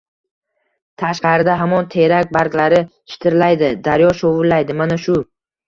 Tashqarida hamon terak barglari shitirlaydi. Daryo shovullaydi. Mana shu